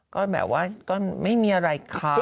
ก็แบบว่าก็ไม่มีอะไรคะ